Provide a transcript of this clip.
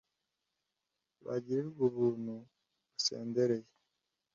bagirirwe ubuntu busendereye